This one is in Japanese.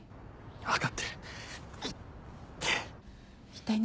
分かってる痛っ。